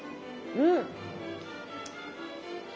うん！